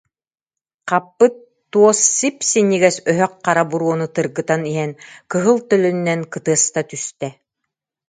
Хаппыт туос сип- синньигэс өһөх хара буруону тыргытан иһэн кыһыл төлөнүнэн кытыаста түстэ